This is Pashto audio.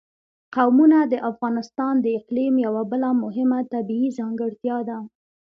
قومونه د افغانستان د اقلیم یوه بله مهمه طبیعي ځانګړتیا ده.